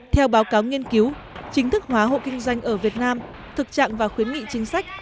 theo báo cáo nghiên cứu chính thức hóa hộ kinh doanh ở việt nam thực trạng và khuyến nghị chính sách